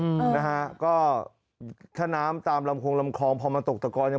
ใช่นะครับก็ถ้าน้ำตามลำควงลำคลองพอมันตกตะกอน